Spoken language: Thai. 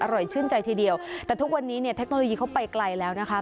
ชื่นใจทีเดียวแต่ทุกวันนี้เนี่ยเทคโนโลยีเขาไปไกลแล้วนะคะ